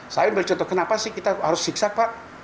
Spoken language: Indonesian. saya ambil contoh kenapa sih kita harus siksa pak